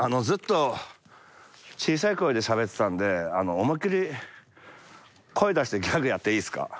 ずっと小さい声でしゃべってたんで思いっ切り声出してギャグやっていいっすか？